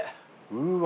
うわ。